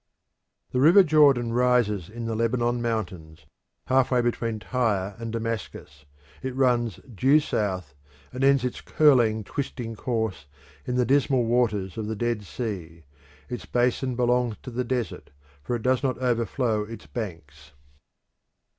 The river Jordan rises in the Lebanon mountains, half way between Tyre and Damascus; it runs due south, and ends its curling, twisting course in the dismal waters of the Dead Sea. Its basin belongs to the desert, for it does not overflow its banks.